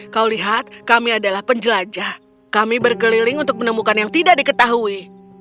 kau lihat kami adalah penjelajah kami berkeliling untuk menemukan yang tidak diketahui